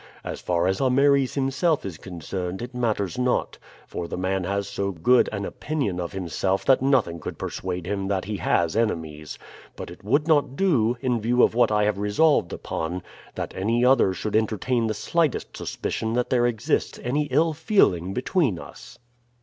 As far as Ameres himself is concerned it matters not, for the man has so good an opinion of himself that nothing could persuade him that he has enemies; but it would not do, in view of what I have resolved upon, that any other should entertain the slightest suspicion that there exists any ill feeling between us."